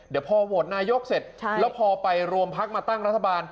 เดี๋ยวพอโหวตนายกเสร็จแล้วพอไปรวมพักมาตั้งรัฐบาล